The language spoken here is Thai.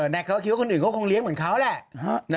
แต่เขาคิดว่าคนอื่นเขาคงเลี้ยงเหมือนเขาแหละ